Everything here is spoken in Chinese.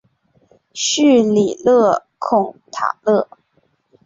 叙里勒孔塔勒。